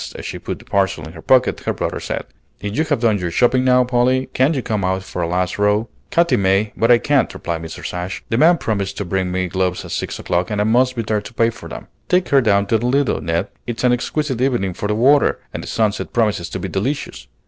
As she put the parcel in her pocket, her brother said, "If you have done your shopping now, Polly, can't you come out for a last row?" "Katy may, but I can't," replied Mrs. Ashe. "The man promised to bring me gloves at six o'clock, and I must be there to pay for them. Take her down to the Lido, Ned. It's an exquisite evening for the water, and the sunset promises to be delicious.